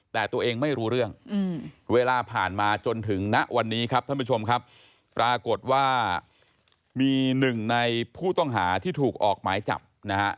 แต่ตัวเองไม่รู้เรื่องเวลาผ่านมาจนถึงณวันนี้ครับท่านผู้ชมครับปรากฏว่ามีหนึ่งในผู้ต้องหาที่ถูกออกหมายจับนะฮะ